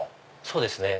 そうですね。